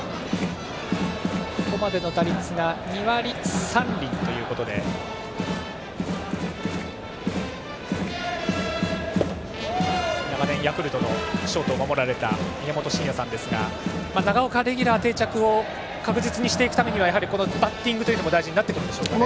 ここまでの打率が２割３厘ということで長年ヤクルトのショートを守られた宮本慎也さんですが長岡、レギュラー定着を確実にしていくためにはやはり、バッティングというのも大事になっていくでしょうかね。